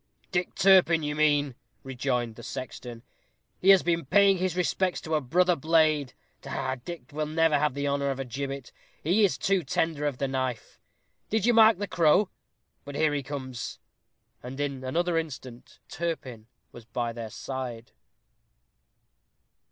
"Dick Turpin, you mean," rejoined the sexton. "He has been paying his respects to a brother blade. Ha, ha! Dick will never have the honor of a gibbet; he is too tender of the knife. Did you mark the crow? But here he comes." And in another instant Turpin was by their side.